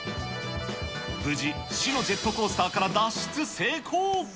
無事、死のジェットコースターから脱出成功。